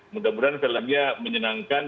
mudah mudahan filmnya menyenangkan